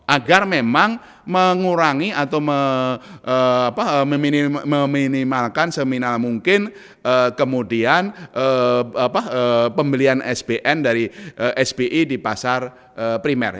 agar memang mengurangi atau meminimalkan seminal mungkin kemudian pembelian sbn dari sbi di pasar primer